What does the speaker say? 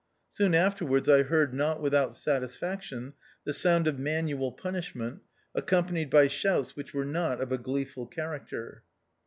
Soon afterwards I heard, not without satisfaction, the sound of manual punishment, accompanied by shouts which were not of a gleeful character.